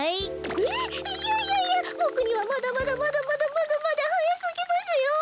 えっいやいやいやぼくにはまだまだまだまだまだまだはやすぎますよ。